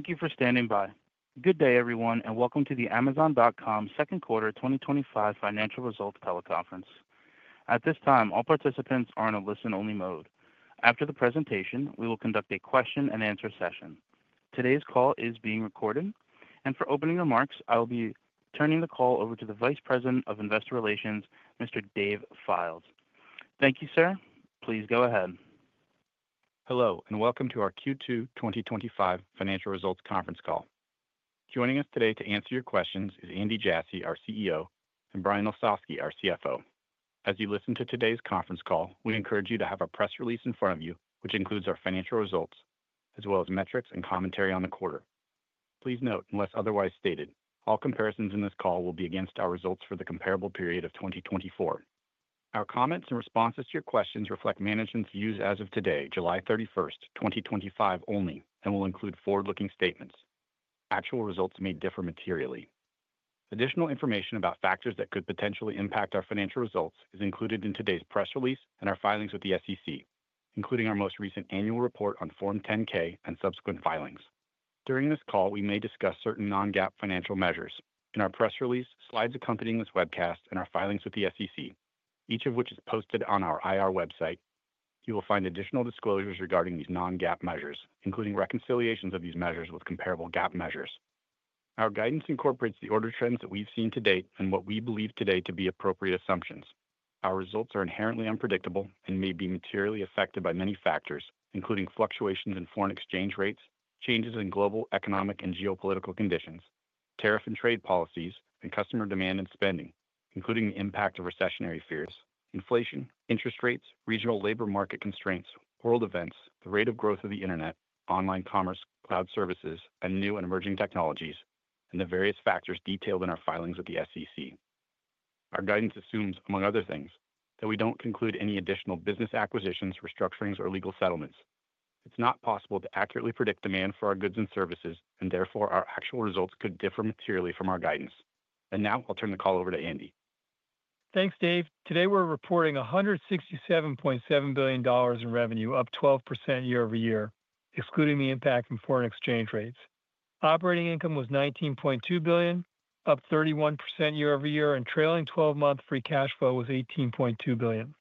Thank you for standing by. Good day, everyone, and welcome to the Amazon.com Second Quarter 2025 Financial Results Teleconference. At this time, all participants are in a listen-only mode. After the presentation, we will conduct a question-and-answer session. Today's call is being recorded, and for opening remarks, I will be turning the call over to the Vice President of Investor Relations, Mr. Dave Fildes. Thank you, sir. Please go ahead. Hello, and welcome to our Q2 2025 Financial Results Conference Call. Joining us today to answer your questions is Andy Jassy, our CEO, and Brian Olsavsky, our CFO. As you listen to today's conference call, we encourage you to have a press release in front of you, which includes our financial results, as well as metrics and commentary on the quarter. Please note, unless otherwise stated, all comparisons in this call will be against our results for the comparable period of 2024. Our comments and responses to your questions reflect management's views as of today, July 31, 2025 only, and will include forward-looking statements. Actual results may differ materially. Additional information about factors that could potentially impact our financial results is included in today's press release and our filings with the SEC, including our most recent annual report on Form 10-K and subsequent filings. During this call, we may discuss certain non-GAAP financial measures. In our press release, slides accompanying this webcast, and our filings with the SEC, each of which is posted on our IR website, you will find additional disclosures regarding these non-GAAP measures, including reconciliations of these measures with comparable GAAP measures. Our guidance incorporates the order trends that we've seen to date and what we believe today to be appropriate assumptions. Our results are inherently unpredictable and may be materially affected by many factors, including fluctuations in foreign exchange rates, changes in global economic and geopolitical conditions, tariff and trade policies, and customer demand and spending, including the impact of recessionary fears, inflation, interest rates, regional labor market constraints, world events, the rate of growth of the internet, online commerce, cloud services, and new and emerging technologies, and the various factors detailed in our filings with the SEC. Our guidance assumes, among other things, that we don't conclude any additional business acquisitions, restructurings, or legal settlements. It's not possible to accurately predict demand for our goods and services, and therefore our actual results could differ materially from our guidance. I'll turn the call over to Andy. Thanks, Dave. Today we're reporting $167.7 billion in revenue, up 12% year over year, excluding the impact from foreign exchange rates. Operating income was $19.2 billion, up 31% year over year, and trailing 12-month free cash flow was $18.2 billion.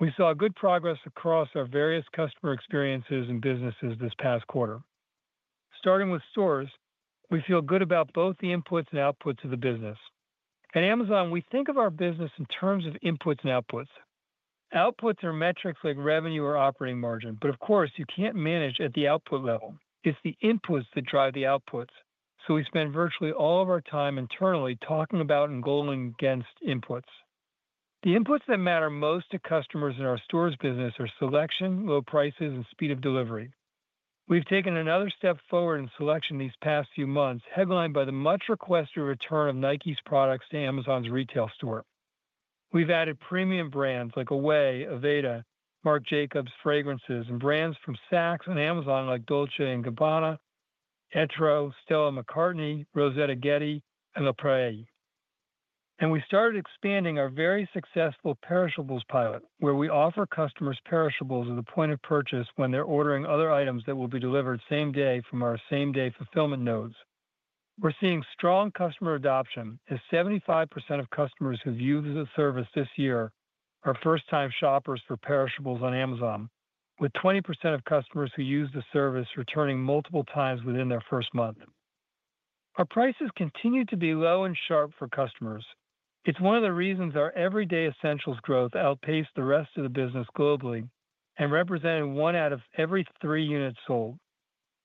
We saw good progress across our various customer experiences and businesses this past quarter. Starting with stores, we feel good about both the inputs and outputs of the business. At Amazon, we think of our business in terms of inputs and outputs. Outputs are metrics like revenue or operating margin, but of course, you can't manage at the output level. It's the inputs that drive the outputs, so we spend virtually all of our time internally talking about and goaling against inputs. The inputs that matter most to customers in our stores business are selection, low prices, and speed of delivery. We've taken another step forward in selection these past few months, headlined by the much-requested return of Nike's products to Amazon's retail store. We've added premium brands like Away, Aveda, Marc Jacobs, fragrances, and brands from Saks on Amazon like Dolce & Gabbana, Etro, Stella McCartney, Roksanda, and La Prairie. We started expanding our very successful perishables pilot, where we offer customers perishables at the point of purchase when they're ordering other items that will be delivered same day from our same-day fulfillment nodes. We're seeing strong customer adoption, as 75% of customers who've used the service this year are first-time shoppers for perishables on Amazon, with 20% of customers who use the service returning multiple times within their first month. Our prices continue to be low and sharp for customers. It's one of the reasons our everyday essentials growth outpaced the rest of the business globally and represented one out of every three units sold.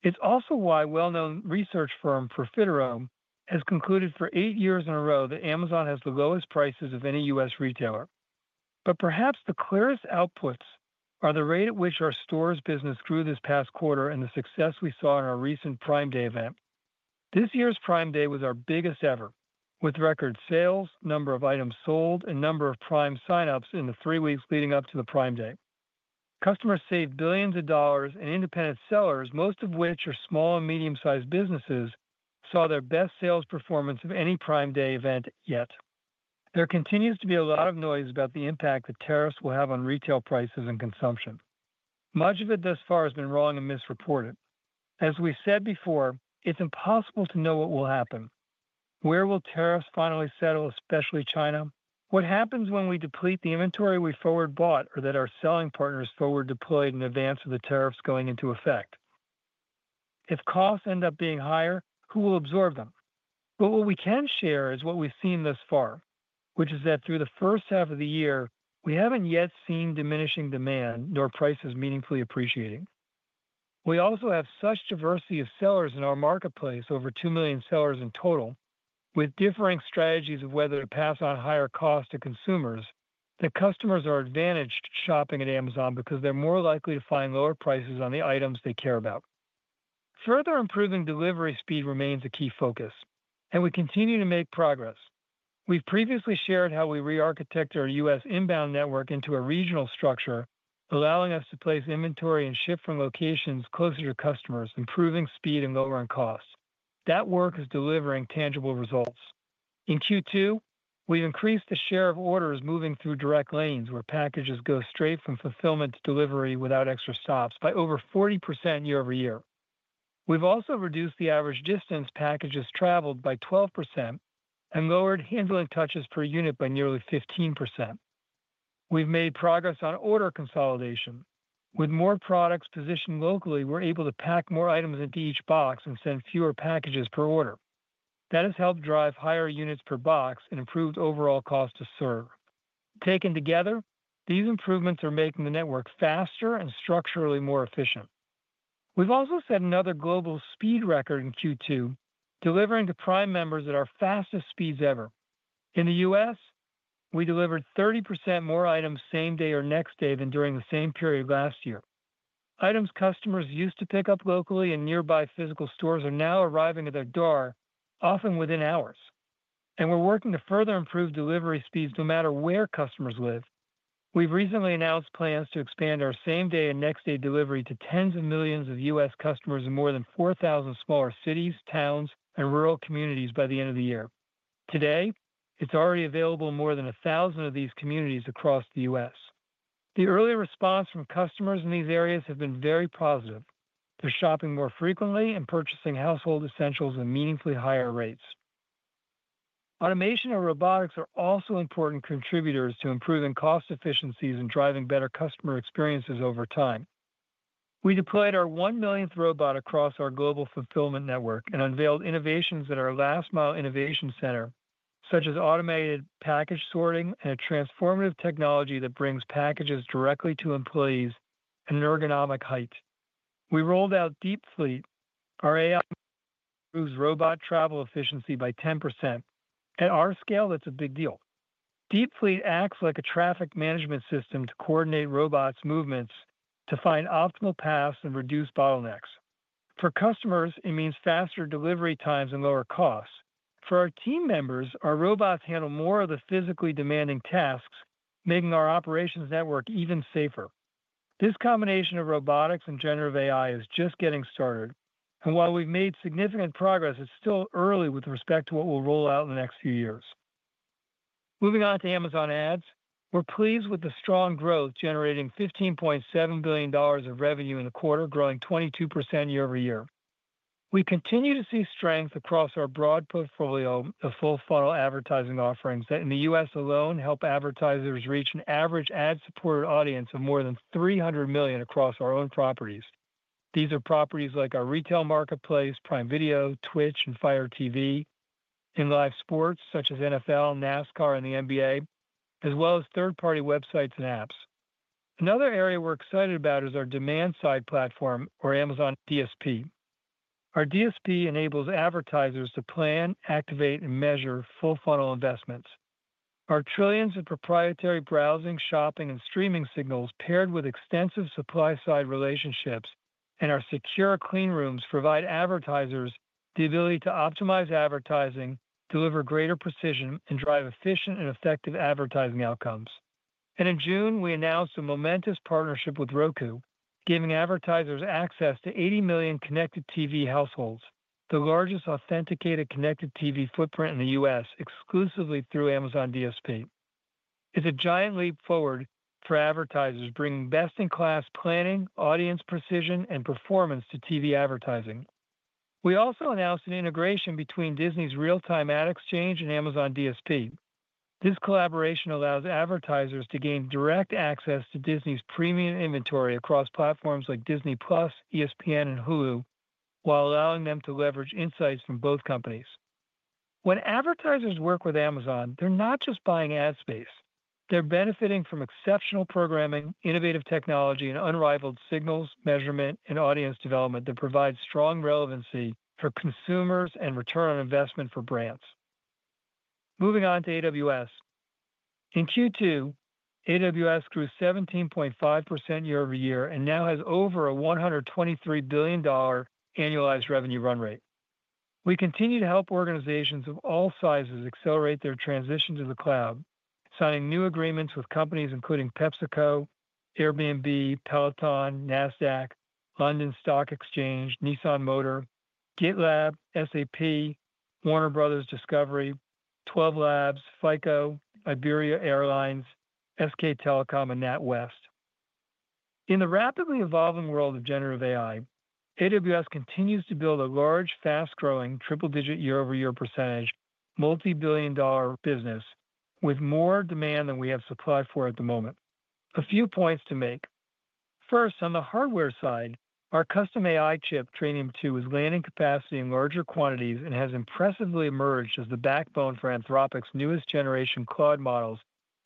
It's also why well-known research firm Profitero has concluded for eight years in a row that Amazon has the lowest prices of any U.S. retailer. Perhaps the clearest outputs are the rate at which our stores business grew this past quarter and the success we saw in our recent Prime Day event. This year's Prime Day was our biggest ever, with record sales, number of items sold, and number of Prime sign-ups in the three weeks leading up to the Prime Day. Customers saved billions of dollars, and independent sellers, most of which are small and medium-sized businesses, saw their best sales performance of any Prime Day event yet. There continues to be a lot of noise about the impact that tariffs will have on retail prices and consumption. Much of it thus far has been wrong and misreported. As we said before, it's impossible to know what will happen. Where will tariffs finally settle, especially China? What happens when we deplete the inventory we forward bought or that our selling partners forward deployed in advance of the tariffs going into effect? If costs end up being higher, who will absorb them? What we can share is what we've seen thus far, which is that through the first half of the year, we haven't yet seen diminishing demand nor prices meaningfully appreciating. We also have such diversity of sellers in our marketplace, over 2 million sellers in total, with differing strategies of whether to pass on higher costs to consumers, that customers are advantaged shopping at Amazon because they're more likely to find lower prices on the items they care about. Further improving delivery speed remains a key focus, and we continue to make progress. We've previously shared how we re-architect our U.S. inbound network into a regional structure, allowing us to place inventory and ship from locations closer to customers, improving speed and lowering costs. That work is delivering tangible results. In Q2, we've increased the share of orders moving through direct lanes, where packages go straight from fulfillment to delivery without extra stops, by over 40% year over year. We've also reduced the average distance packages traveled by 12% and lowered handling touches per unit by nearly 15%. We've made progress on order consolidation. With more products positioned locally, we're able to pack more items into each box and send fewer packages per order. That has helped drive higher units per box and improved overall cost to serve. Taken together, these improvements are making the network faster and structurally more efficient. We've also set another global speed record in Q2, delivering to Prime members at our fastest speeds ever. In the U.S., we delivered 30% more items same day or next day than during the same period last year. Items customers used to pick up locally in nearby physical stores are now arriving at their door, often within hours. We're working to further improve delivery speeds no matter where customers live. We've recently announced plans to expand our same-day and next-day delivery to tens of millions of U.S. customers in more than 4,000 smaller cities, towns, and rural communities by the end of the year. Today, it's already available in more than 1,000 of these communities across the U.S. The early response from customers in these areas has been very positive. They're shopping more frequently and purchasing household essentials at meaningfully higher rates. Automation and robotics are also important contributors to improving cost efficiencies and driving better customer experiences over time. We deployed our one millionth robot across our global fulfillment network and unveiled innovations at our last-mile innovation center, such as automated package sorting and a transformative technology that brings packages directly to employees at an ergonomic height. We rolled out DeepFleet, our AI that improves robot travel efficiency by 10%. At our scale, that's a big deal. DeepFleet acts like a traffic management system to coordinate robots' movements to find optimal paths and reduce bottlenecks. For customers, it means faster delivery times and lower costs. For our team members, our robots handle more of the physically demanding tasks, making our operations network even safer. This combination of robotics and generative AI is just getting started, and while we've made significant progress, it's still early with respect to what we'll roll out in the next few years. Moving on to Amazon Ads, we're pleased with the strong growth, generating $15.7 billion of revenue in the quarter, growing 22% year over year. We continue to see strength across our broad portfolio of full-funnel advertising offerings that, in the U.S. alone, help advertisers reach an average ad-supported audience of more than 300 million across our own properties. These are properties like our retail marketplace, Prime Video, Twitch, and Fire TV, in live sports such as NFL, NASCAR, and the NBA, as well as third-party websites and apps. Another area we're excited about is our demand-side platform, or Amazon DSP. Our DSP enables advertisers to plan, activate, and measure full-funnel investments. Our trillions of proprietary browsing, shopping, and streaming signals, paired with extensive supply-side relationships and our secure clean rooms, provide advertisers the ability to optimize advertising, deliver greater precision, and drive efficient and effective advertising outcomes. In June, we announced a momentous partnership with Roku, giving advertisers access to 80 million connected TV households, the largest authenticated connected TV footprint in the U.S., exclusively through Amazon DSP. It's a giant leap forward for advertisers, bringing best-in-class planning, audience precision, and performance to TV advertising. We also announced an integration between Disney's real-time ad exchange and Amazon DSP. This collaboration allows advertisers to gain direct access to Disney's premium inventory across platforms like Disney+, ESPN, and Hulu, while allowing them to leverage insights from both companies. When advertisers work with Amazon, they're not just buying ad space. They're benefiting from exceptional programming, innovative technology, and unrivaled signals, measurement, and audience development that provide strong relevancy for consumers and return on investment for brands. Moving on to AWS. In Q2, AWS grew 17.5% year over year and now has over a $123 billion annualized revenue run rate. We continue to help organizations of all sizes accelerate their transition to the cloud, signing new agreements with companies including PepsiCo, Airbnb, Peloton, Nasdaq, London Stock Exchange, Nissan Motor, GitLab, SAP, Warner Bros. Discovery, Twelve Labs, FICO, Iberia Airlines, SK Telecom, and NatWest. In the rapidly evolving world of generative AI, AWS continues to build a large, fast-growing, triple-digit year-over-year percentage, multi-billion-dollar business with more demand than we have supply for at the moment. A few points to make. First, on the hardware side, our custom AI chip, Trainium2, is landing capacity in larger quantities and has impressively emerged as the backbone for Anthropic's newest generation Claude models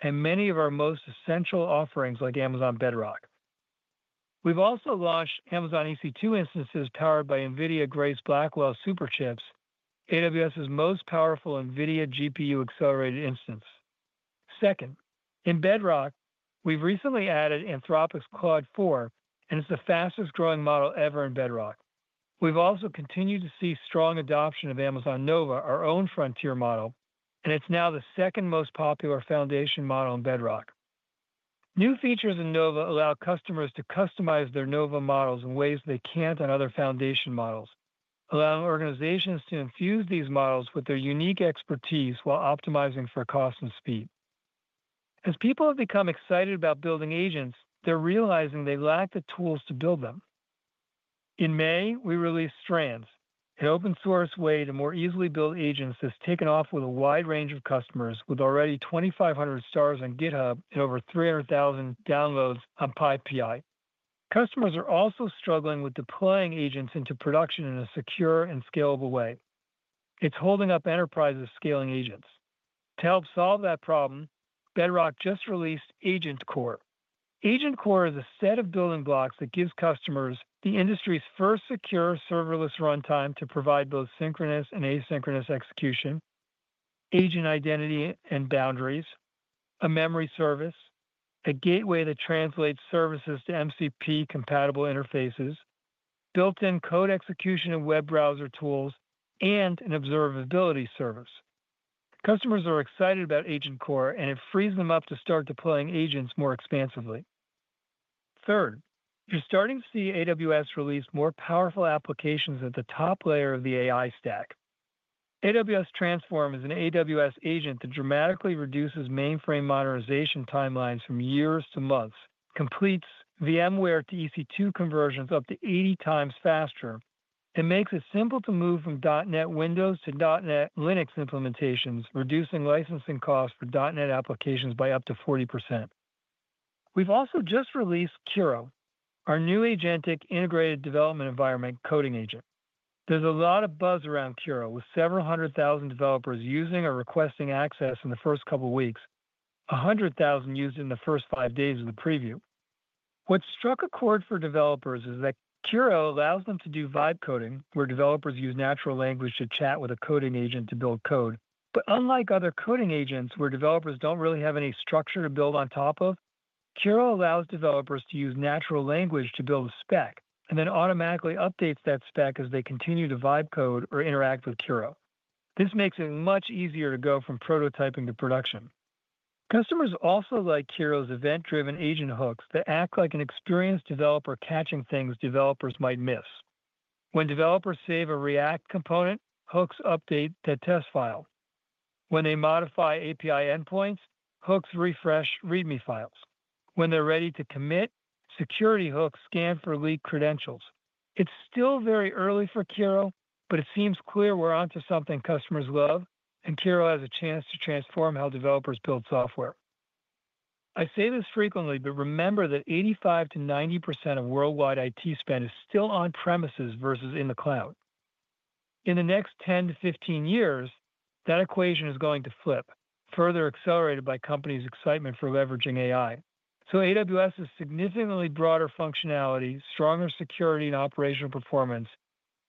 and many of our most essential offerings like Amazon Bedrock. We've also launched Amazon EC2 instances powered by NVIDIA Grace Blackwell Superchips, AWS's most powerful NVIDIA GPU-accelerated instance. Second, in Bedrock, we've recently added Anthropic's Claude 4, and it's the fastest-growing model ever in Bedrock. We've also continued to see strong adoption of Amazon Nova, our own frontier model, and it's now the second most popular foundation model in Bedrock. New features in Nova allow customers to customize their Nova models in ways they can't on other foundation models, allowing organizations to infuse these models with their unique expertise while optimizing for cost and speed. As people have become excited about building agents, they're realizing they lack the tools to build them. In May, we released Strands, an open-source way to more easily build agents that's taken off with a wide range of customers with already 2,500 stars on GitHub and over 300,000 downloads on PyPI. Customers are also struggling with deploying agents into production in a secure and scalable way. It's holding up enterprises' scaling agents. To help solve that problem, Bedrock just released AgentCore. AgentCore is a set of building blocks that gives customers the industry's first secure serverless runtime to provide both synchronous and asynchronous execution, agent identity and boundaries, a memory service, a gateway that translates services to MCP-compatible interfaces, built-in code execution and web browser tools, and an observability service. Customers are excited about AgentCore, and it frees them up to start deploying agents more expansively. Third, you're starting to see AWS release more powerful applications at the top layer of the AI stack. AWS Transform is an AWS agent that dramatically reduces mainframe modernization timelines from years to months, completes VMware to EC2 conversions up to 80 times faster, and makes it simple to move from .NET Windows to .NET Linux implementations, reducing licensing costs for .NET applications by up to 40%. We've also just released Cura, our new agentic integrated development environment coding agent. There's a lot of buzz around Cura, with several hundred thousand developers using or requesting access in the first couple of weeks, 100,000 used in the first five days of the preview. What struck a chord for developers is that Cura allows them to do vibe coding, where developers use natural language to chat with a coding agent to build code. Unlike other coding agents, where developers do not really have any structure to build on top of, Cura allows developers to use natural language to build a spec and then automatically updates that spec as they continue to vibe code or interact with Cura. This makes it much easier to go from prototyping to production. Customers also like Cura's event-driven agent hooks that act like an experienced developer catching things developers might miss. When developers save a React component, hooks update the test file. When they modify API endpoints, hooks refresh README files. When they're ready to commit, security hooks scan for leaked credentials. It's still very early for Cura, but it seems clear we're onto something customers love, and Cura has a chance to transform how developers build software. I say this frequently, but remember that 85%-90% of worldwide IT spend is still on-premises versus in the cloud. In the next 10 years-15 years, that equation is going to flip, further accelerated by companies' excitement for leveraging AI. AWS's significantly broader functionality, stronger security and operational performance,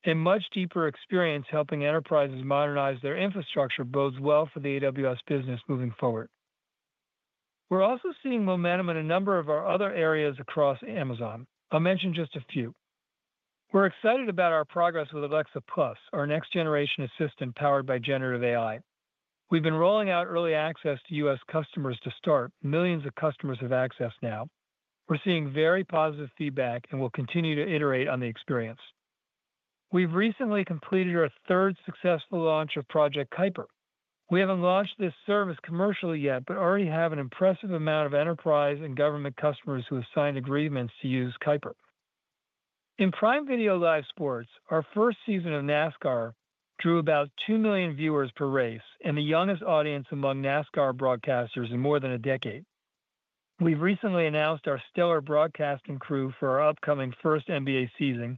and much deeper experience helping enterprises modernize their infrastructure bodes well for the AWS business moving forward. We're also seeing momentum in a number of our other areas across Amazon. I'll mention just a few. We're excited about our progress with Alexa+, our next-generation assistant powered by generative AI. We've been rolling out early access to U.S. customers to start. Millions of customers have access now. We're seeing very positive feedback and will continue to iterate on the experience. We've recently completed our third successful launch of Project Kuiper. We haven't launched this service commercially yet, but already have an impressive amount of enterprise and government customers who have signed agreements to use Kuiper. In Prime Video Live Sports, our first season of NASCAR drew about 2 million viewers per race and the youngest audience among NASCAR broadcasters in more than a decade. We've recently announced our stellar broadcasting crew for our upcoming first NBA season,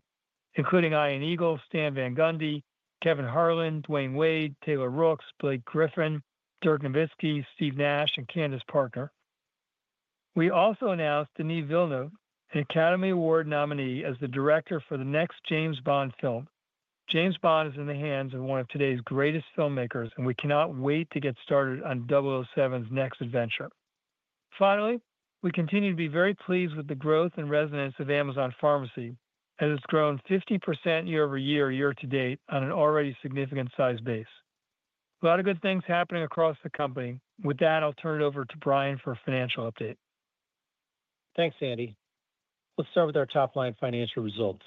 including Ian Eagle, Stan Van Gundy, Kevin Harlan, Dwyane Wade, Taylor Rooks, Blake Griffin, Dirk Nowitzki, Steve Nash, and Candace Parker. We also announced Denis Villeneuve, an Academy Award nominee, as the director for the next James Bond film. James Bond is in the hands of one of today's greatest filmmakers, and we cannot wait to get started on 007's next adventure. Finally, we continue to be very pleased with the growth and resonance of Amazon Pharmacy as it's grown 50% year over year to date on an already significant size base. A lot of good things happening across the company. With that, I'll turn it over to Brian for a financial update. Thanks, Andy. Let's start with our top-line financial results.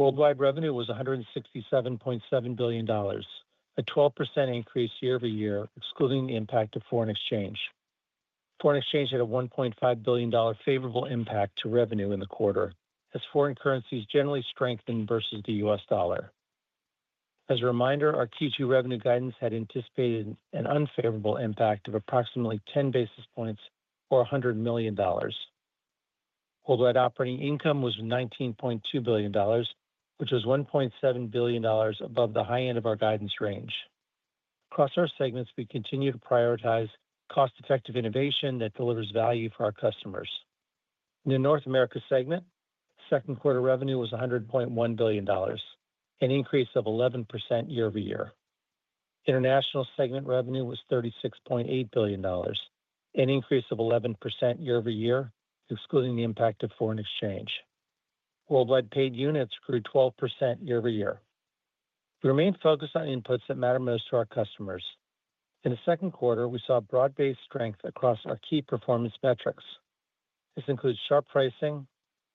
Worldwide revenue was $167.7 billion, a 12% increase year over year, excluding the impact of foreign exchange. Foreign exchange had a $1.5 billion favorable impact to revenue in the quarter as foreign currencies generally strengthened versus the U.S. dollar. As a reminder, our Q2 revenue guidance had anticipated an unfavorable impact of approximately 10 basis points or $100 million. Worldwide operating income was $19.2 billion, which was $1.7 billion above the high end of our guidance range. Across our segments, we continue to prioritize cost-effective innovation that delivers value for our customers. In the North America segment, second-quarter revenue was $100.1 billion, an increase of 11% year over year. International segment revenue was $36.8 billion, an increase of 11% year over year, excluding the impact of foreign exchange. Worldwide paid units grew 12% year over year. We remain focused on inputs that matter most to our customers. In the second quarter, we saw broad-based strength across our key performance metrics. This includes sharp pricing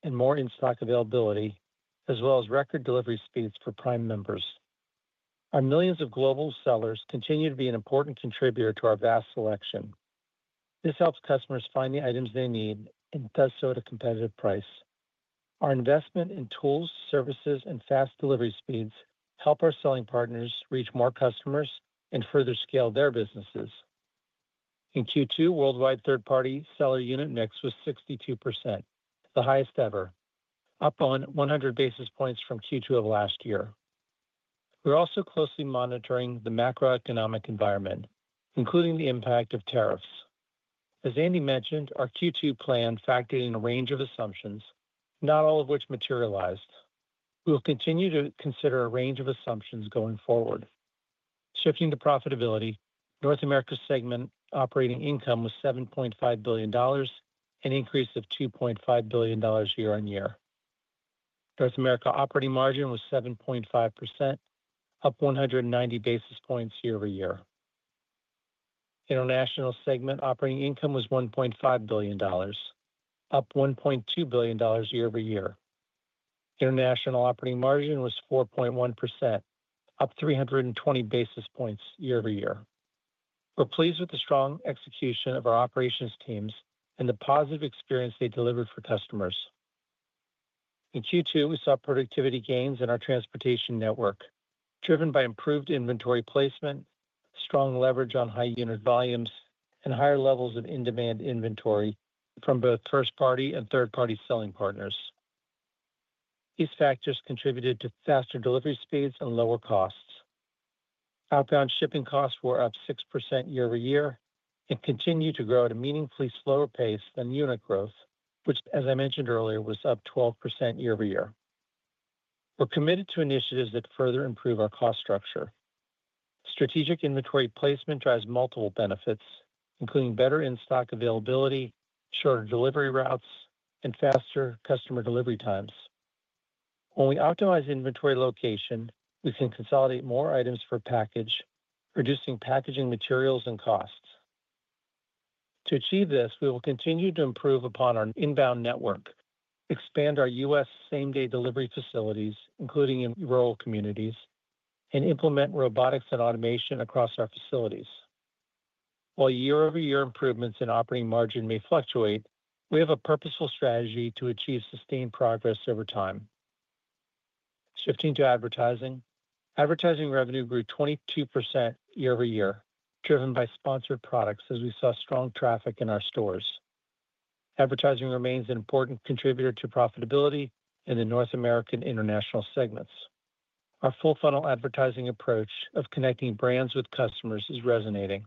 and more in-stock availability, as well as record delivery speeds for Prime members. Our millions of global sellers continue to be an important contributor to our vast selection. This helps customers find the items they need and does so at a competitive price. Our investment in tools, services, and fast delivery speeds help our selling partners reach more customers and further scale their businesses. In Q2, worldwide third-party seller unit mix was 62%, the highest ever, up 100 basis points from Q2 of last year. We are also closely monitoring the macroeconomic environment, including the impact of tariffs. As Andy mentioned, our Q2 plan factored in a range of assumptions, not all of which materialized. We will continue to consider a range of assumptions going forward. Shifting to profitability, North America segment operating income was $7.5 billion, an increase of $2.5 billion year on year. North America operating margin was 7.5%, up 190 basis points year over year. International segment operating income was $1.5 billion, up $1.2 billion year over year. International operating margin was 4.1%, up 320 basis points year over year. We're pleased with the strong execution of our operations teams and the positive experience they delivered for customers. In Q2, we saw productivity gains in our transportation network, driven by improved inventory placement, strong leverage on high unit volumes, and higher levels of in-demand inventory from both first-party and third-party selling partners. These factors contributed to faster delivery speeds and lower costs. Outbound shipping costs were up 6% year over year and continue to grow at a meaningfully slower pace than unit growth, which, as I mentioned earlier, was up 12% year over year. We're committed to initiatives that further improve our cost structure. Strategic inventory placement drives multiple benefits, including better in-stock availability, shorter delivery routes, and faster customer delivery times. When we optimize inventory location, we can consolidate more items per package, reducing packaging materials and costs. To achieve this, we will continue to improve upon our inbound network, expand our U.S. same-day delivery facilities, including in rural communities, and implement robotics and automation across our facilities. While year-over-year improvements in operating margin may fluctuate, we have a purposeful strategy to achieve sustained progress over time. Shifting to advertising, advertising revenue grew 22% year over year, driven by sponsored products as we saw strong traffic in our stores. Advertising remains an important contributor to profitability in the North American international segments. Our full-funnel advertising approach of connecting brands with customers is resonating.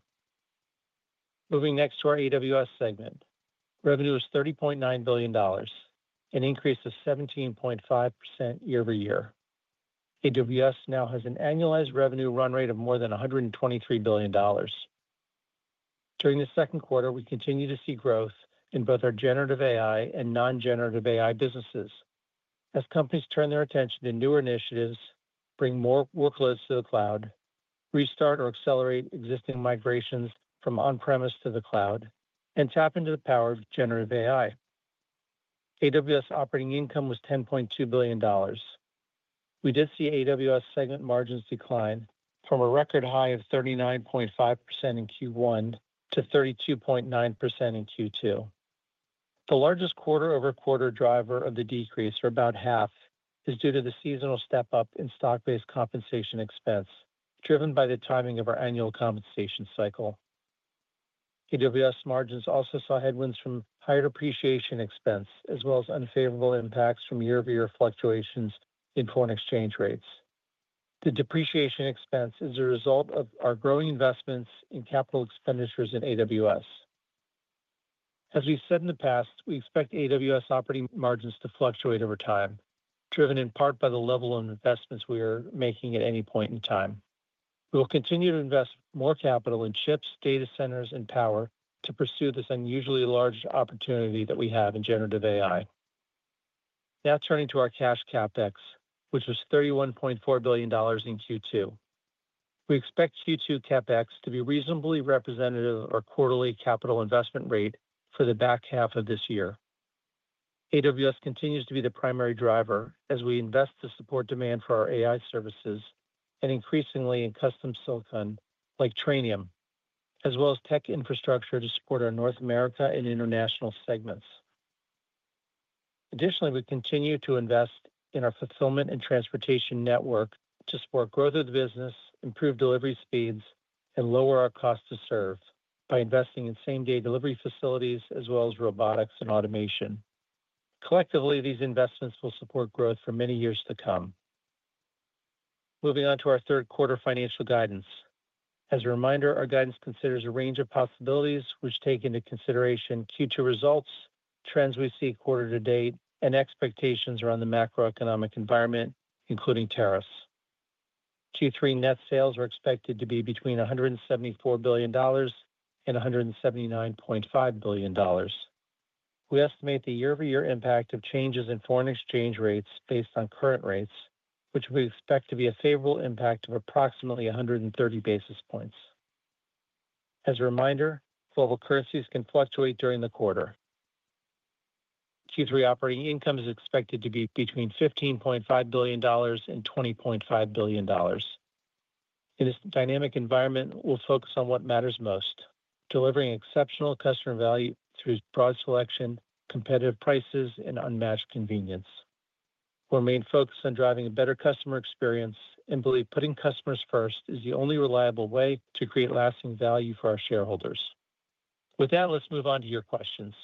Moving next to our AWS segment, revenue was $30.9 billion, an increase of 17.5% year over year. AWS now has an annualized revenue run rate of more than $123 billion. During the second quarter, we continue to see growth in both our generative AI and non-generative AI businesses as companies turn their attention to newer initiatives, bring more workloads to the cloud, restart or accelerate existing migrations from on-premise to the cloud, and tap into the power of generative AI. AWS operating income was $10.2 billion. We did see AWS segment margins decline from a record high of 39.5% in Q1 to 32.9% in Q2. The largest quarter-over-quarter driver of the decrease, or about half, is due to the seasonal step-up in stock-based compensation expense, driven by the timing of our annual compensation cycle. AWS margins also saw headwinds from higher depreciation expense, as well as unfavorable impacts from year-over-year fluctuations in foreign exchange rates. The depreciation expense is a result of our growing investments in capital expenditures in AWS. As we've said in the past, we expect AWS operating margins to fluctuate over time, driven in part by the level of investments we are making at any point in time. We will continue to invest more capital in chips, data centers, and power to pursue this unusually large opportunity that we have in generative AI. Now turning to our cash CapEx, which was $31.4 billion in Q2. We expect Q2 CapEx to be reasonably representative of our quarterly capital investment rate for the back half of this year. AWS continues to be the primary driver as we invest to support demand for our AI services and increasingly in custom silicon like Trainium, as well as tech infrastructure to support our North America and international segments. Additionally, we continue to invest in our fulfillment and transportation network to support growth of the business, improve delivery speeds, and lower our cost to serve by investing in same-day delivery facilities, as well as robotics and automation. Collectively, these investments will support growth for many years to come. Moving on to our third-quarter financial guidance. As a reminder, our guidance considers a range of possibilities, which take into consideration Q2 results, trends we see quarter to date, and expectations around the macroeconomic environment, including tariffs. Q3 net sales are expected to be between $174 billion and $179.5 billion. We estimate the year-over-year impact of changes in foreign exchange rates based on current rates, which we expect to be a favorable impact of approximately 130 basis points. As a reminder, global currencies can fluctuate during the quarter. Q3 operating income is expected to be between $15.5 billion and $20.5 billion. In this dynamic environment, we will focus on what matters most: delivering exceptional customer value through broad selection, competitive prices, and unmatched convenience. We will remain focused on driving a better customer experience and believe putting customers first is the only reliable way to create lasting value for our shareholders. With that, let's move on to your questions.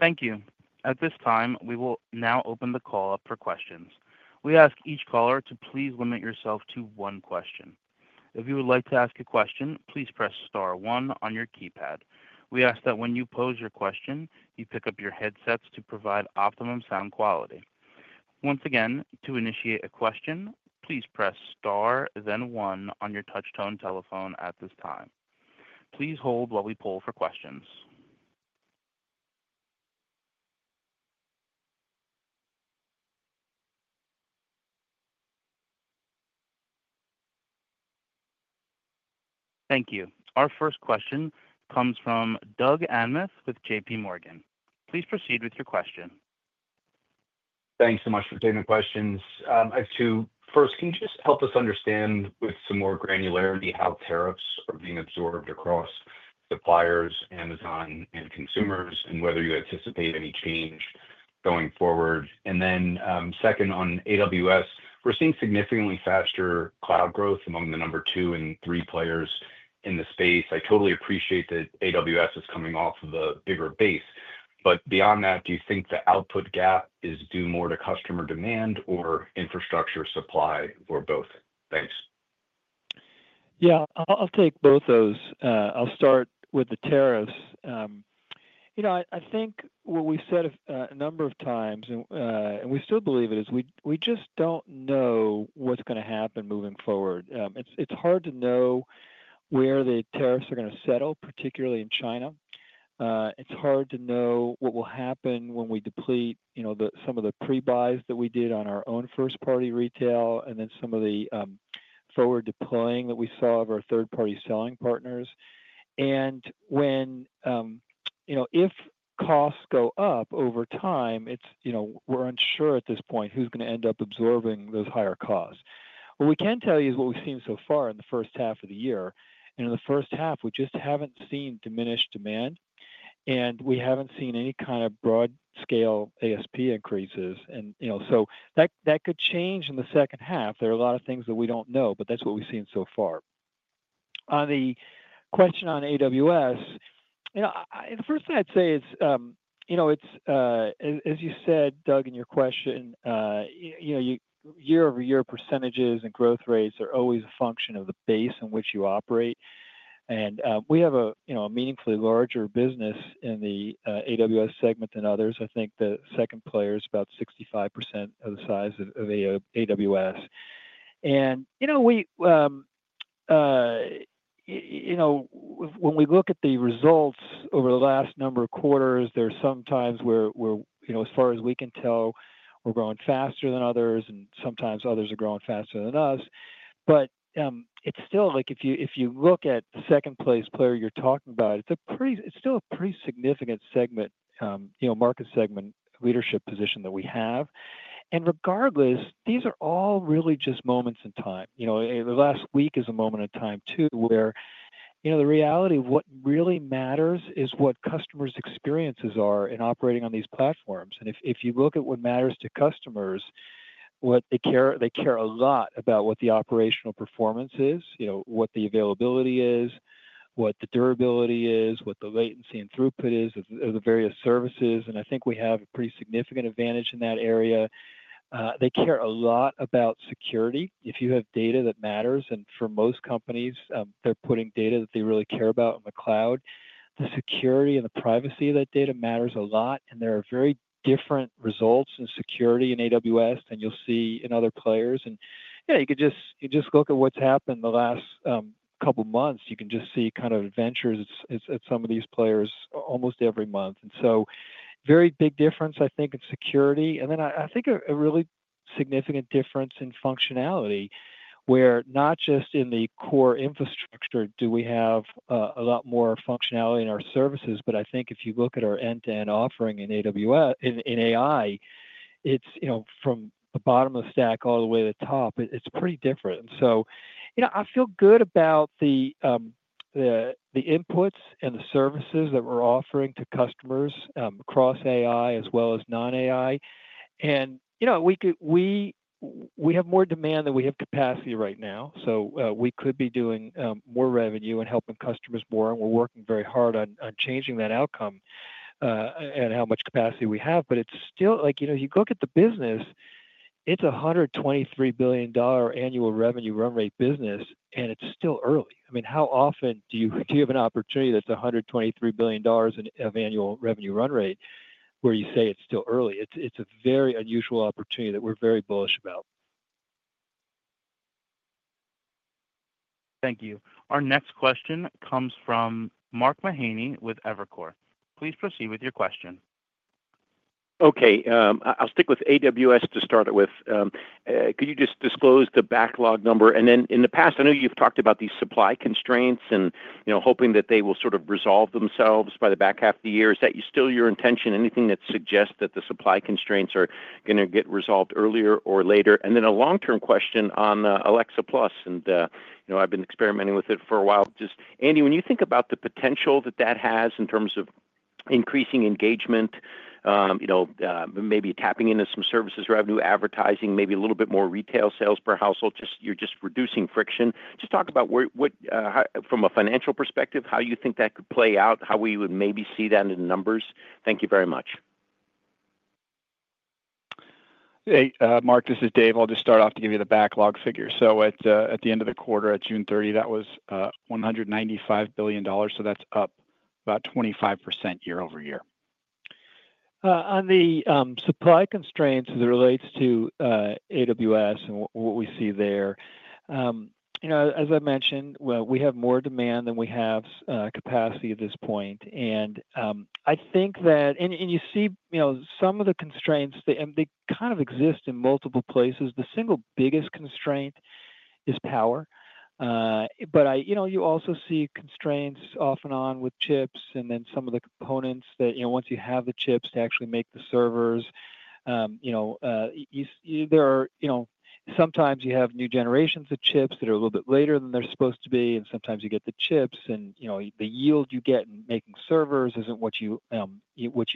Thank you. At this time, we will now open the call up for questions. We ask each caller to please limit yourself to one question. If you would like to ask a question, please press star one on your keypad. We ask that when you pose your question, you pick up your headsets to provide optimum sound quality. Once again, to initiate a question, please press star, then one on your touch-tone telephone at this time. Please hold while we pull for questions. Thank you. Our first question comes from Doug Anmuth with JPMorgan. Please proceed with your question. Thanks so much for taking the questions. I have two. First, can you just help us understand with some more granularity how tariffs are being absorbed across suppliers, Amazon, and consumers, and whether you anticipate any change going forward? Then second, on AWS, we're seeing significantly faster cloud growth among the number two and three players in the space. I totally appreciate that AWS is coming off of a bigger base. Beyond that, do you think the output gap is due more to customer demand or infrastructure supply or both? Thanks. Yeah, I'll take both those. I'll start with the tariffs. You know, I think what we've said a number of times, and we still believe it, is we just don't know what's going to happen moving forward. It's hard to know where the tariffs are going to settle, particularly in China. It's hard to know what will happen when we deplete some of the pre-buys that we did on our own first-party retail and then some of the forward deploying that we saw of our third-party selling partners. If costs go up over time, we're unsure at this point who's going to end up absorbing those higher costs. What we can tell you is what we've seen so far in the first half of the year. In the first half, we just haven't seen diminished demand, and we haven't seen any kind of broad-scale ASP increases. That could change in the second half. There are a lot of things that we don't know, but that's what we've seen so far. On the question on AWS, the first thing I'd say is, as you said, Doug, in your question, year-over-year percentages and growth rates are always a function of the base on which you operate. We have a meaningfully larger business in the AWS segment than others. I think the second player is about 65% of the size of AWS. When we look at the results over the last number of quarters, there are some times where, as far as we can tell, we're growing faster than others, and sometimes others are growing faster than us. It is still, if you look at the second-place player you're talking about, a pretty significant market segment leadership position that we have. Regardless, these are all really just moments in time. The last week is a moment in time too where the reality of what really matters is what customers' experiences are in operating on these platforms. If you look at what matters to customers, they care a lot about what the operational performance is, what the availability is, what the durability is, what the latency and throughput is of the various services. I think we have a pretty significant advantage in that area. They care a lot about security. If you have data that matters, and for most companies, they're putting data that they really care about in the cloud, the security and the privacy of that data matters a lot. There are very different results in security in AWS than you'll see in other players. You can just look at what's happened the last couple of months. You can just see kind of adventures at some of these players almost every month. There is a very big difference, I think, in security. I think a really significant difference in functionality where not just in the core infrastructure do we have a lot more functionality in our services, but I think if you look at our end-to-end offering in AI, it is from the bottom of the stack all the way to the top. It is pretty different. I feel good about the inputs and the services that we are offering to customers across AI as well as non-AI. We have more demand than we have capacity right now. We could be doing more revenue and helping customers more. We are working very hard on changing that outcome and how much capacity we have. It's still, if you look at the business, it's a $123 billion annual revenue run rate business, and it's still early. I mean, how often do you have an opportunity that's $123 billion of annual revenue run rate where you say it's still early? It's a very unusual opportunity that we're very bullish about. Thank you. Our next question comes from Mark Mahaney with Evercore. Please proceed with your question. Okay. I'll stick with AWS to start it with. Could you just disclose the backlog number? And then in the past, I know you've talked about these supply constraints and hoping that they will sort of resolve themselves by the back half of the year. Is that still your intention? Anything that suggests that the supply constraints are going to get resolved earlier or later? And then a long-term question on Alexa Plus. I've been experimenting with it for a while. Just, Andy, when you think about the potential that that has in terms of increasing engagement, maybe tapping into some services revenue, advertising, maybe a little bit more retail sales per household, you're just reducing friction. Just talk about from a financial perspective, how you think that could play out, how we would maybe see that in numbers. Thank you very much. Hey, Mark, this is Dave. I'll just start off to give you the backlog figure. At the end of the quarter, at June 30, that was $195 billion. That's up about 25% year over year. On the supply constraints as it relates to AWS and what we see there, as I mentioned, we have more demand than we have capacity at this point. I think that, and you see some of the constraints, and they kind of exist in multiple places. The single biggest constraint is power. You also see constraints off and on with chips and then some of the components that once you have the chips to actually make the servers, there are sometimes you have new generations of chips that are a little bit later than they're supposed to be. Sometimes you get the chips and the yield you get in making servers isn't what you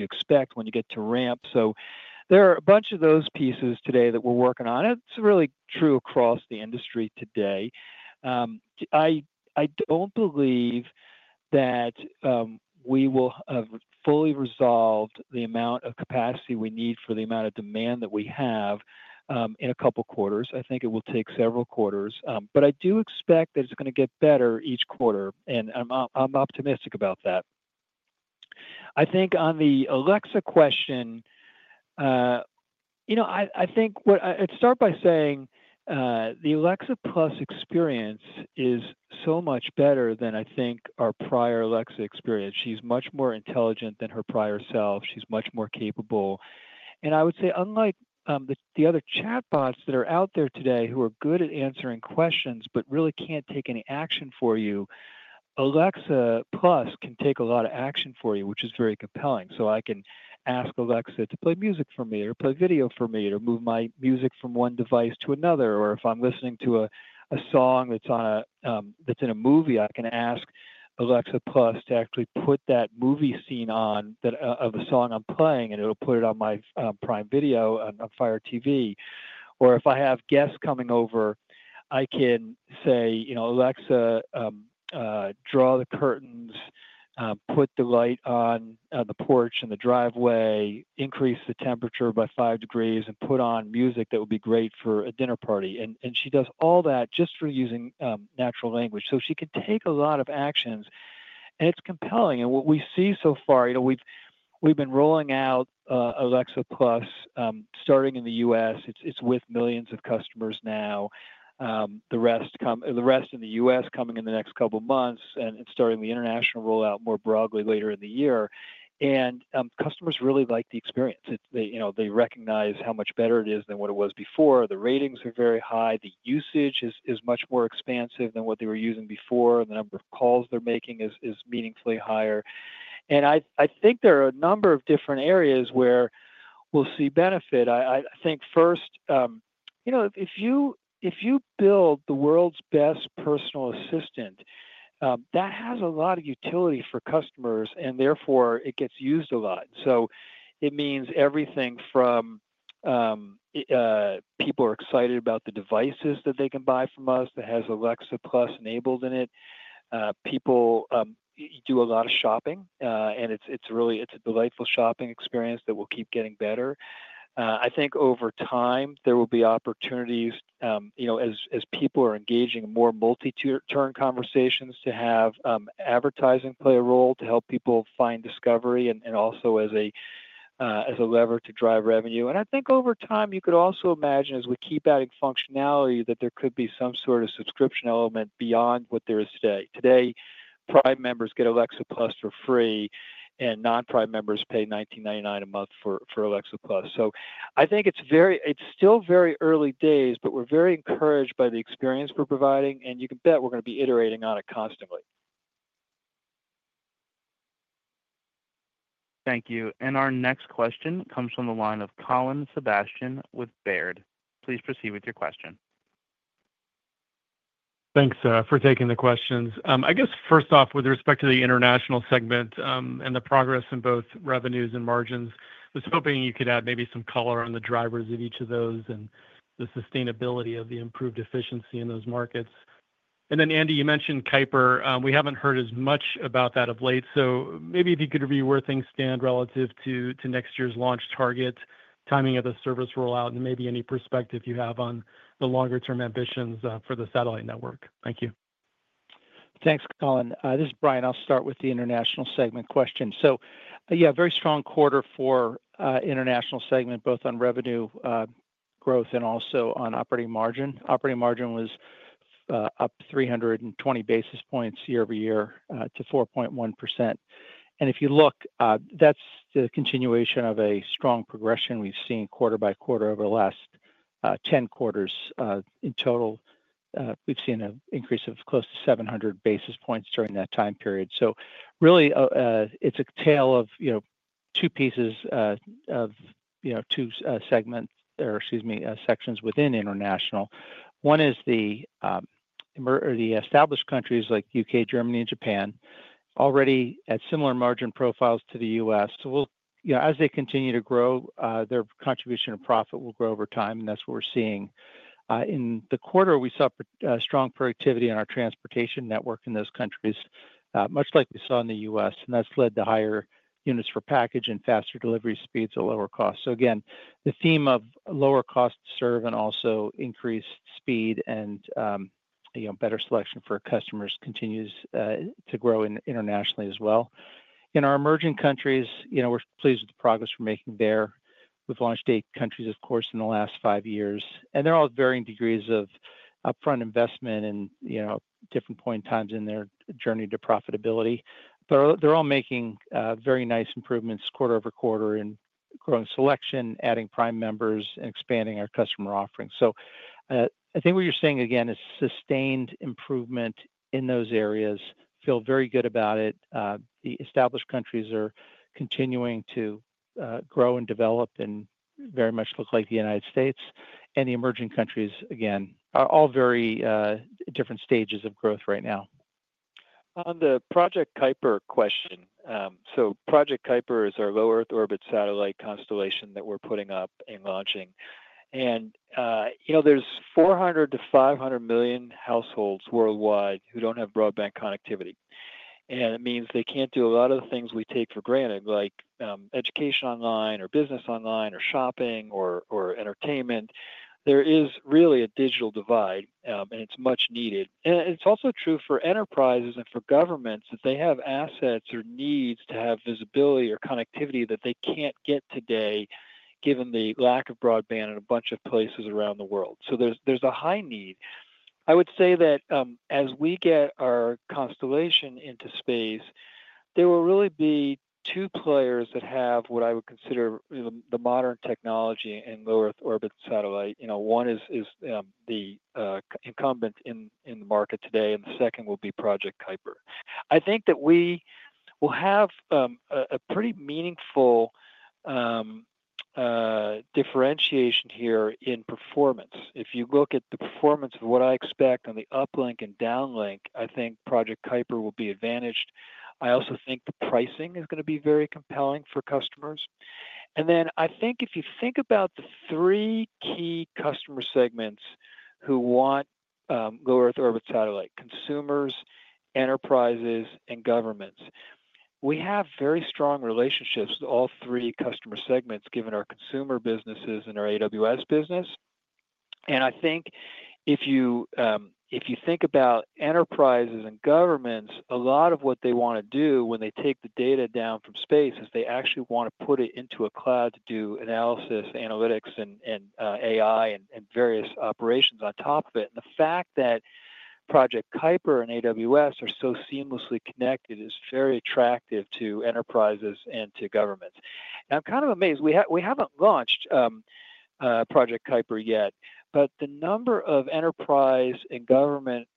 expect when you get to ramp. There are a bunch of those pieces today that we're working on. It's really true across the industry today. I don't believe that we will have fully resolved the amount of capacity we need for the amount of demand that we have in a couple of quarters. I think it will take several quarters. I do expect that it's going to get better each quarter. I'm optimistic about that. I think on the Alexa question, I'd start by saying the Alexa+ experience is so much better than I think our prior Alexa experience. She's much more intelligent than her prior self. She's much more capable. I would say, unlike the other chatbots that are out there today who are good at answering questions but really can't take any action for you, Alexa+ can take a lot of action for you, which is very compelling. I can ask Alexa to play music for me or play video for me or move my music from one device to another. If I'm listening to a song that's in a movie, I can ask Alexa+ to actually put that movie scene on of a song I'm playing, and it'll put it on my Prime Video and Fire TV. If I have guests coming over, I can say, "Alexa, draw the curtains, put the light on the porch and the driveway, increase the temperature by five degrees, and put on music that would be great for a dinner party." She does all that just for using natural language. She can take a lot of actions. It's compelling. What we see so far, we've been rolling out Alexa+ starting in the U.S. It's with millions of customers now. The rest in the U.S. coming in the next couple of months and starting the international rollout more broadly later in the year. Customers really like the experience. They recognize how much better it is than what it was before. The ratings are very high. The usage is much more expansive than what they were using before. The number of calls they're making is meaningfully higher. I think there are a number of different areas where we'll see benefit. I think first, if you build the world's best personal assistant, that has a lot of utility for customers, and therefore it gets used a lot. It means everything from people are excited about the devices that they can buy from us that has Alexa+ enabled in it. People do a lot of shopping, and it's a delightful shopping experience that will keep getting better. I think over time, there will be opportunities as people are engaging in more multi-turn conversations to have advertising play a role to help people find discovery and also as a lever to drive revenue. I think over time, you could also imagine as we keep adding functionality that there could be some sort of subscription element beyond what there is today. Today, Prime members get Alexa+ for free, and non-Prime members pay $19.99 a month for Alexa+. I think it's still very early days, but we're very encouraged by the experience we're providing. You can bet we're going to be iterating on it constantly. Thank you. Our next question comes from the line of Colin Sebastian with Baird. Please proceed with your question. Thanks for taking the questions. I guess first off, with respect to the international segment and the progress in both revenues and margins, I was hoping you could add maybe some color on the drivers of each of those and the sustainability of the improved efficiency in those markets. Andy, you mentioned Kuiper. We haven't heard as much about that of late. Maybe if you could review where things stand relative to next year's launch target, timing of the service rollout, and any perspective you have on the longer-term ambitions for the satellite network. Thank you. Thanks, Colin. This is Brian. I'll start with the international segment question. Very strong quarter for international segment, both on revenue growth and also on operating margin. Operating margin was up 320 basis points year over year to 4.1%. If you look, that's the continuation of a strong progression we've seen quarter by quarter over the last 10 quarters. In total, we've seen an increase of close to 700 basis points during that time period. Really, it's a tale of two pieces of two segments or, excuse me, sections within international. One is the established countries like the U.K., Germany, and Japan already at similar margin profiles to the U.S. As they continue to grow, their contribution to profit will grow over time. That's what we're seeing. In the quarter, we saw strong productivity in our transportation network in those countries, much like we saw in the U.S. That has led to higher units per package and faster delivery speeds at lower costs. Again, the theme of lower cost to serve and also increased speed and better selection for customers continues to grow internationally as well. In our emerging countries, we're pleased with the progress we're making there. We've launched eight countries, of course, in the last five years. They're all varying degrees of upfront investment and different point times in their journey to profitability. They're all making very nice improvements quarter over quarter in growing selection, adding Prime members, and expanding our customer offering. I think what you're seeing again is sustained improvement in those areas. Feel very good about it. The established countries are continuing to grow and develop and very much look like the U.S. The emerging countries, again, are all very different stages of growth right now. On the Project Kuiper question, Project Kuiper is our low Earth orbit satellite constellation that we are putting up and launching. There are 400 million-500 million households worldwide who do not have broadband connectivity. It means they cannot do a lot of the things we take for granted, like education online or business online or shopping or entertainment. There is really a digital divide, and it is much needed. It is also true for enterprises and for governments that they have assets or needs to have visibility or connectivity that they cannot get today given the lack of broadband in a bunch of places around the world. There is a high need. I would say that as we get our constellation into space, there will really be two players that have what I would consider the modern technology in low Earth orbit satellite. One is the incumbent in the market today, and the second will be Project Kuiper. I think that we will have a pretty meaningful differentiation here in performance. If you look at the performance of what I expect on the uplink and downlink, I think Project Kuiper will be advantaged. I also think the pricing is going to be very compelling for customers. If you think about the three key customer segments who want low Earth orbit satellite: consumers, enterprises, and governments. We have very strong relationships with all three customer segments given our consumer businesses and our AWS business. If you think about enterprises and governments, a lot of what they want to do when they take the data down from space is they actually want to put it into a cloud to do analysis, analytics, and AI and various operations on top of it. The fact that Project Kuiper and AWS are so seamlessly connected is very attractive to enterprises and to governments. I'm kind of amazed. We haven't launched Project Kuiper yet, but the number of enterprise and government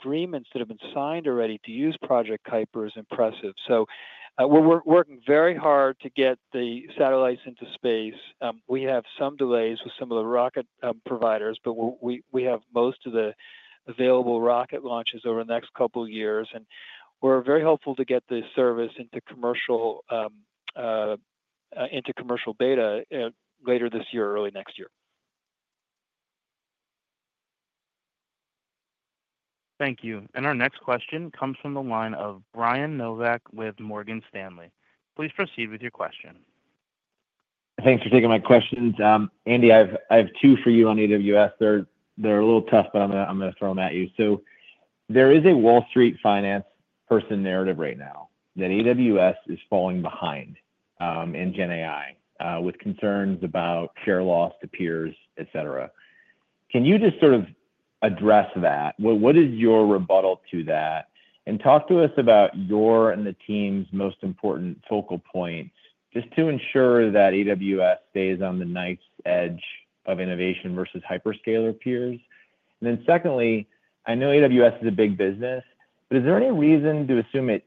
agreements that have been signed already to use Project Kuiper is impressive. We are working very hard to get the satellites into space. We have some delays with some of the rocket providers, but we have most of the available rocket launches over the next couple of years. We're very hopeful to get the service into commercial beta later this year, early next year. Thank you. Our next question comes from the line of Brian Nowak with Morgan Stanley. Please proceed with your question. Thanks for taking my questions. Andy, I have two for you on AWS. They're a little tough, but I'm going to throw them at you. There is a Wall Street finance person narrative right now that AWS is falling behind in GenAI with concerns about share loss to peers, etc. Can you just sort of address that? What is your rebuttal to that? And talk to us about your and the team's most important focal point just to ensure that AWS stays on the knife's edge of innovation versus hyperscaler peers. Then secondly, I know AWS is a big business, but is there any reason to assume it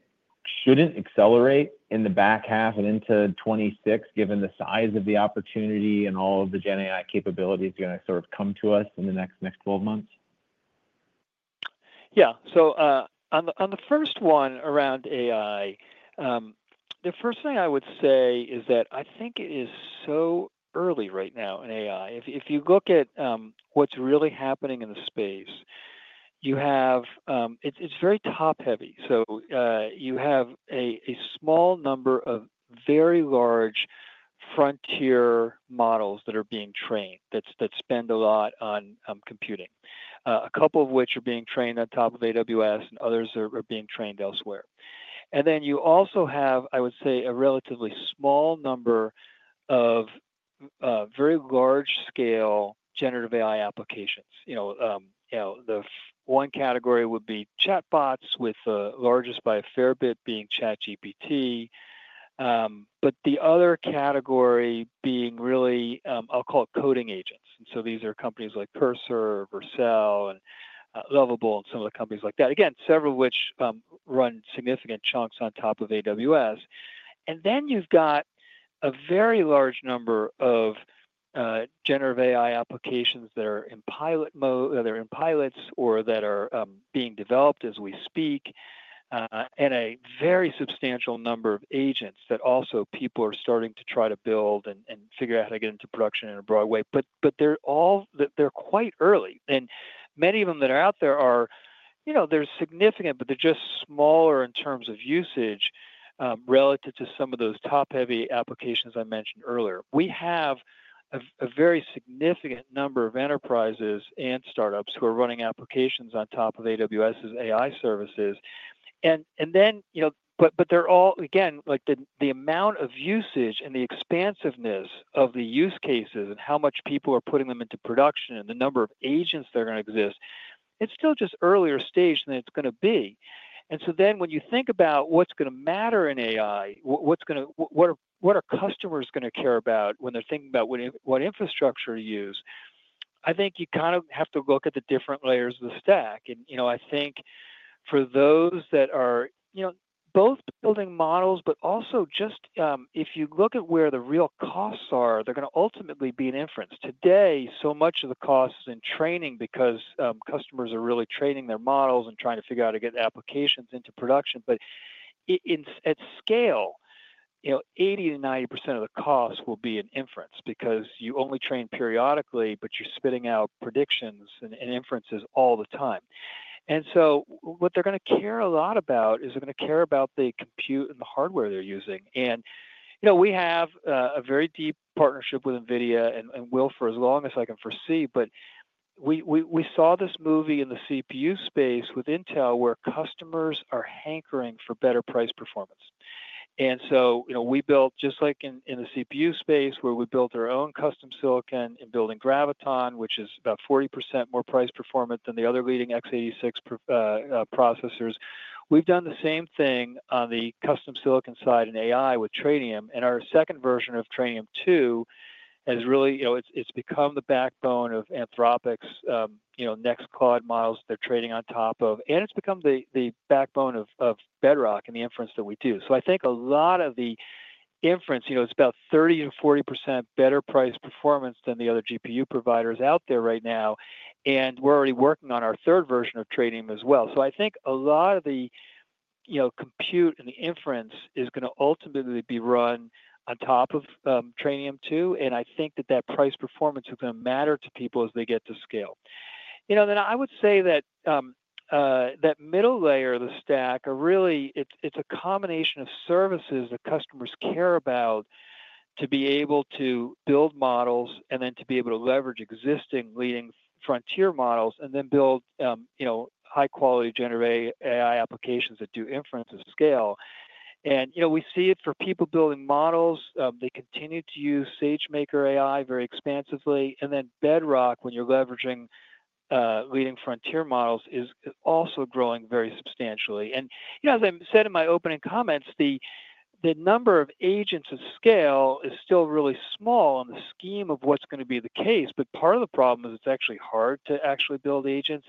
shouldn't accelerate in the back half and into 2026 given the size of the opportunity and all of the GenAI capabilities going to sort of come to us in the next 12 months? Yeah. On the first one around AI, the first thing I would say is that I think it is so early right now in AI. If you look at what's really happening in the space, it's very top-heavy. You have a small number of very large frontier models that are being trained that spend a lot on computing, a couple of which are being trained on top of AWS, and others are being trained elsewhere. You also have, I would say, a relatively small number of very large-scale generative AI applications. The one category would be chatbots with the largest by a fair bit being ChatGPT, but the other category being really, I'll call it coding agents. These are companies like Cursor or Vercel and Lovable and some of the companies like that. Again, several of which run significant chunks on top of AWS. Then you've got a very large number of generative AI applications that are in pilots or that are being developed as we speak and a very substantial number of agents that also people are starting to try to build and figure out how to get into production in a broad way. They're quite early. Many of them that are out there are significant, but they're just smaller in terms of usage relative to some of those top-heavy applications I mentioned earlier. We have a very significant number of enterprises and startups who are running applications on top of AWS's AI services. The amount of usage and the expansiveness of the use cases and how much people are putting them into production and the number of agents that are going to exist, it's still just earlier stage than it's going to be. When you think about what's going to matter in AI, what are customers going to care about when they're thinking about what infrastructure to use, I think you kind of have to look at the different layers of the stack. I think for those that are both building models, but also just if you look at where the real costs are, they're going to ultimately be in inference. Today, so much of the cost is in training because customers are really training their models and trying to figure out how to get applications into production. At scale, 80%-90% of the cost will be in inference because you only train periodically, but you're spitting out predictions and inferences all the time. What they're going to care a lot about is they're going to care about the compute and the hardware they're using. We have a very deep partnership with NVIDIA and will for as long as I can foresee. We saw this movie in the CPU space with Intel where customers are hankering for better price performance. We built, just like in the CPU space, where we built our own custom silicon and building Graviton, which is about 40% more price performance than the other leading x86 processors. We've done the same thing on the custom silicon side in AI with Trainium. Our second version of Trainium2 has really become the backbone of Anthropic's next Claude models they're training on top of. It has become the backbone of Bedrock and the inference that we do. I think a lot of the inference, it's about 30%-40% better price performance than the other GPU providers out there right now. We're already working on our third version of Trainium as well. I think a lot of the compute and the inference is going to ultimately be run on top of Trainium2. I think that that price performance is going to matter to people as they get to scale. I would say that that middle layer of the stack, it's a combination of services that customers care about to be able to build models and then to be able to leverage existing leading frontier models and then build high-quality generative AI applications that do inference at scale. We see it for people building models. They continue to use SageMaker AI very expansively. Bedrock, when you're leveraging leading frontier models, is also growing very substantially. As I said in my opening comments, the number of agents at scale is still really small on the scheme of what's going to be the case. Part of the problem is it's actually hard to actually build agents,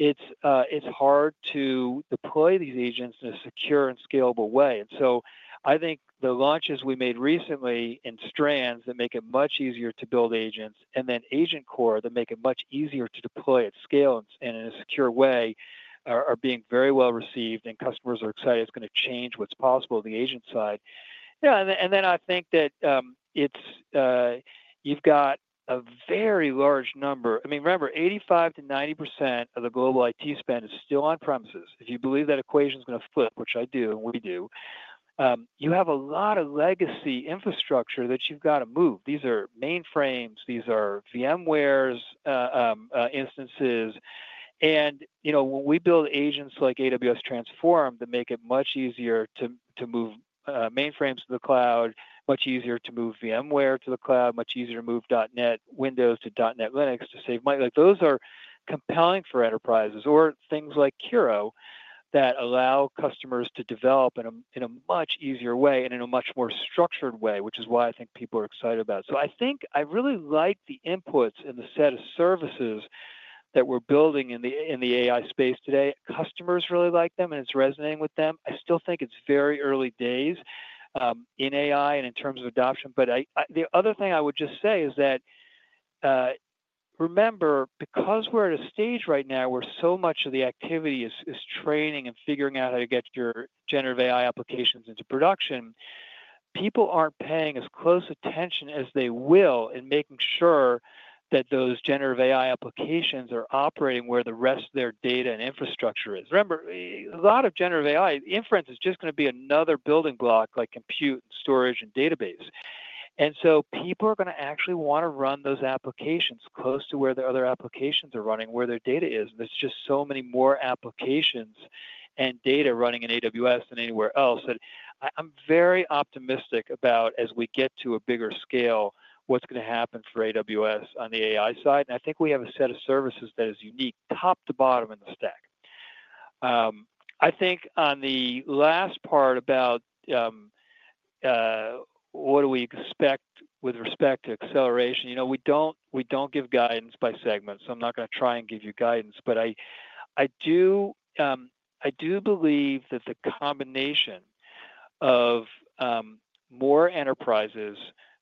and it's hard to deploy these agents in a secure and scalable way. I think the launches we made recently in Strands that make it much easier to build agents and then AgentCore that make it much easier to deploy at scale and in a secure way are being very well received, and customers are excited. It's going to change what's possible on the agent side. I think that you've got a very large number. I mean, remember, 85%-90% of the global IT spend is still on premises. If you believe that equation is going to flip, which I do and we do, you have a lot of legacy infrastructure that you've got to move. These are mainframes. These are VMware instances. When we build agents like AWS Transform that make it much easier to move mainframes to the cloud, much easier to move VMware to the cloud, much easier to move .NET Windows to .NET Linux to save money, those are compelling for enterprises or things like Cura that allow customers to develop in a much easier way and in a much more structured way, which is why I think people are excited about it. I really like the inputs and the set of services that we're building in the AI space today. Customers really like them, and it's resonating with them. I still think it's very early days in AI and in terms of adoption. The other thing I would just say is that, remember, because we're at a stage right now where so much of the activity is training and figuring out how to get your generative AI applications into production, people aren't paying as close attention as they will in making sure that those generative AI applications are operating where the rest of their data and infrastructure is. Remember, a lot of generative AI inference is just going to be another building block like compute and storage and database. People are going to actually want to run those applications close to where their other applications are running, where their data is. There are just so many more applications and data running in AWS than anywhere else. I'm very optimistic about, as we get to a bigger scale, what's going to happen for AWS on the AI side. I think we have a set of services that is unique top to bottom in the stack. I think on the last part about what do we expect with respect to acceleration, we do not give guidance by segments. I am not going to try and give you guidance, but I do believe that the combination of more enterprises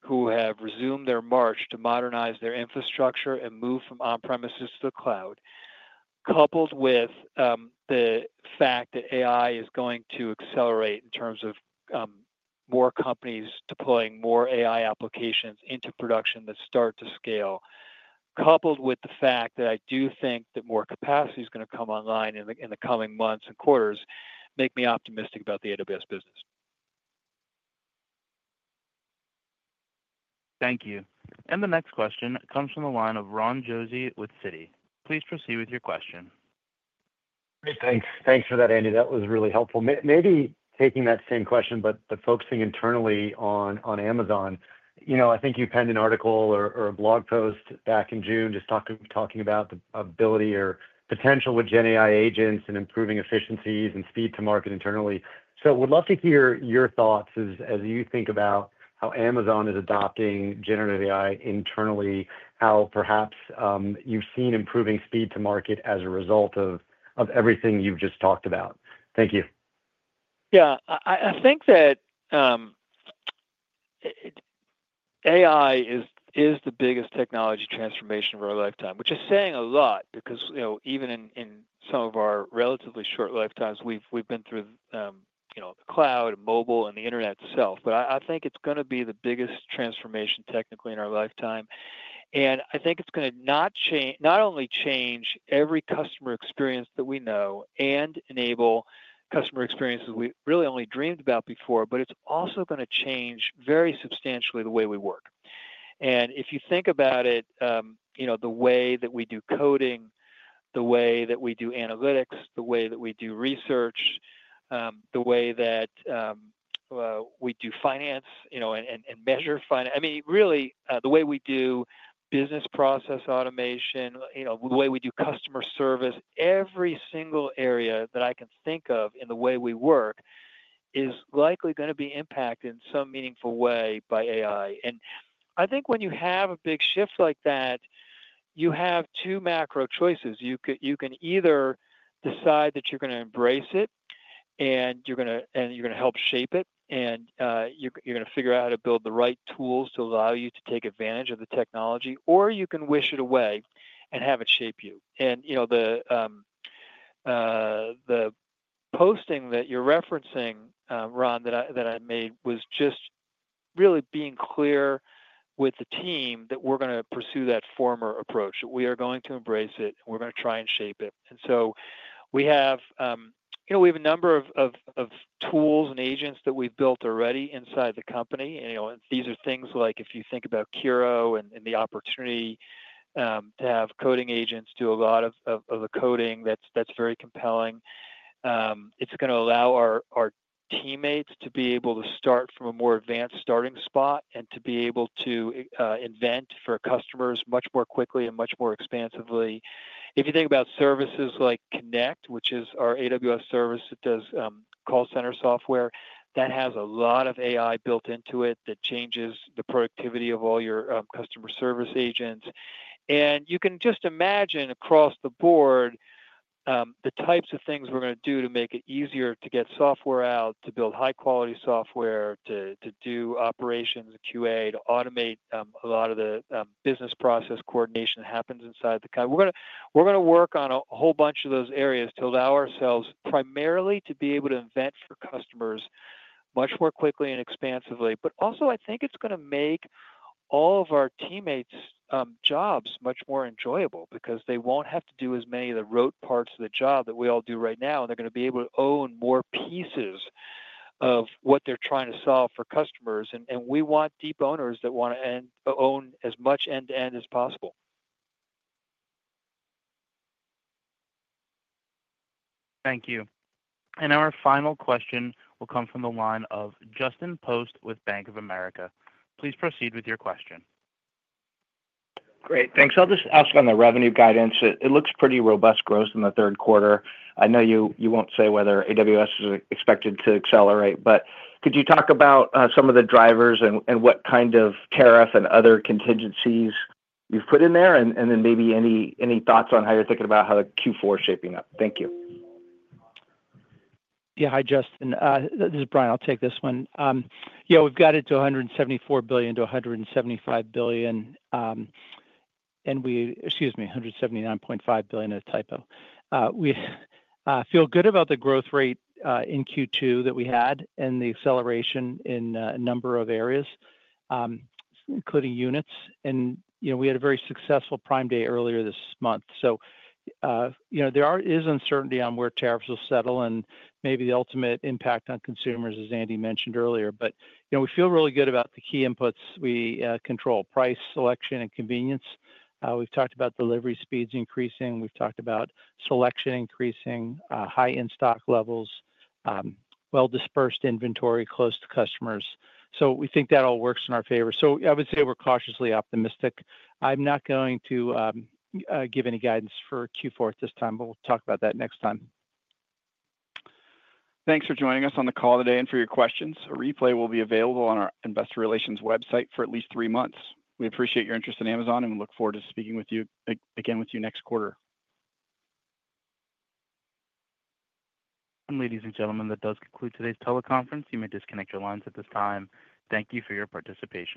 who have resumed their march to modernize their infrastructure and move from on-premises to the cloud, coupled with the fact that AI is going to accelerate in terms of more companies deploying more AI applications into production that start to scale, coupled with the fact that I do think that more capacity is going to come online in the coming months and quarters, make me optimistic about the AWS business. Thank you. The next question comes from the line of Ron Josey with Citi. Please proceed with your question. Thanks for that, Andy. That was really helpful. Maybe taking that same question, but focusing internally on Amazon. I think you penned an article or a blog post back in June just talking about the ability or potential with GenAI agents and improving efficiencies and speed to market internally. I would love to hear your thoughts as you think about how Amazon is adopting generative AI internally, how perhaps you've seen improving speed to market as a result of everything you've just talked about. Thank you. Yeah. I think that AI is the biggest technology transformation of our lifetime, which is saying a lot because even in some of our relatively short lifetimes, we've been through the cloud and mobile and the internet itself. I think it's going to be the biggest transformation technically in our lifetime. I think it's going to not only change every customer experience that we know and enable customer experiences we really only dreamed about before, but it's also going to change very substantially the way we work. If you think about it, the way that we do coding, the way that we do analytics, the way that we do research, the way that we do finance and measure finance, I mean, really, the way we do business process automation, the way we do customer service, every single area that I can think of in the way we work is likely going to be impacted in some meaningful way by AI. I think when you have a big shift like that, you have two macro choices. You can either decide that you're going to embrace it, and you're going to help shape it, and you're going to figure out how to build the right tools to allow you to take advantage of the technology, or you can wish it away and have it shape you. The posting that you're referencing, Ron, that I made was just really being clear with the team that we're going to pursue that former approach, that we are going to embrace it, and we're going to try and shape it. We have a number of tools and agents that we've built already inside the company. These are things like if you think about Cura and the opportunity to have coding agents do a lot of the coding, that's very compelling. It's going to allow our teammates to be able to start from a more advanced starting spot and to be able to invent for customers much more quickly and much more expansively. If you think about services like Connect, which is our AWS service that does call center software, that has a lot of AI built into it that changes the productivity of all your customer service agents. You can just imagine across the board the types of things we're going to do to make it easier to get software out, to build high-quality software, to do operations and QA, to automate a lot of the business process coordination that happens inside the cloud. We're going to work on a whole bunch of those areas to allow ourselves primarily to be able to invent for customers much more quickly and expansively. I think it's going to make all of our teammates' jobs much more enjoyable because they won't have to do as many of the rote parts of the job that we all do right now. They're going to be able to own more pieces of what they're trying to solve for customers. We want deep owners that want to own as much end-to-end as possible. Thank you. Our final question will come from the line of Justin Post with Bank of America. Please proceed with your question. Great. Thanks. I'll just ask on the revenue guidance. It looks pretty robust growth in the third quarter. I know you won't say whether AWS is expected to accelerate, but could you talk about some of the drivers and what kind of tariff and other contingencies you've put in there? And then maybe any thoughts on how you're thinking about how the Q4 is shaping up. Thank you. Yeah. Hi, Justin. This is Brian. I'll take this one. Yeah, we've got it to $174 billion-$175 billion, excuse me, $179.5 billion at a typo. We feel good about the growth rate in Q2 that we had and the acceleration in a number of areas, including units. And we had a very successful Prime Day earlier this month. There is uncertainty on where tariffs will settle and maybe the ultimate impact on consumers, as Andy mentioned earlier. We feel really good about the key inputs. We control price, selection, and convenience. We've talked about delivery speeds increasing. We've talked about selection increasing, high-in-stock levels, well-dispersed inventory close to customers. We think that all works in our favor. I would say we're cautiously optimistic. I'm not going to give any guidance for Q4 at this time, but we'll talk about that next time. Thanks for joining us on the call today and for your questions. A replay will be available on our investor relations website for at least three months. We appreciate your interest in Amazon and look forward to speaking with you again next quarter. Ladies and gentlemen, that does conclude today's teleconference. You may disconnect your lines at this time. Thank you for your participation.